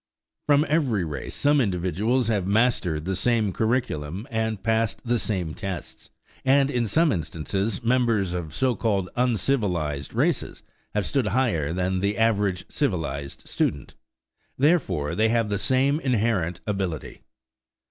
From every race some individuals have mastered the same curriculum and passed the same tests, and in some instances members of so called "uncivilized" races have stood higher than the average "civilized" student; therefore they have the same inherent ability.